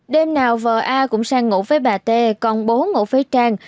đêm nào vợ a cũng sang ngủ với bà t còn bố ngủ với trang